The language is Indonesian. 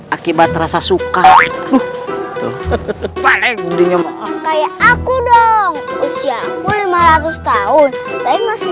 akibat rasa suka itu paling kayak aku dong usiamu lima ratus tahun tapi masih